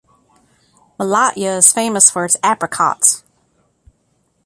Malatya is famous for its apricots.